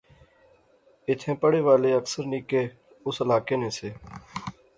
ایتھیں پڑھے والے اکثر نکے اس علاقے نے سے